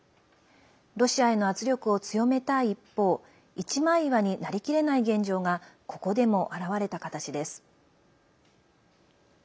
ロシアへの圧力を強めたい一方一枚岩になりきれない現状がここでも現れた形です。